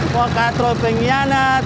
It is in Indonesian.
si katro pengianat